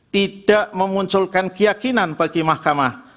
tidak memunculkan keyakinan bagi mahkamah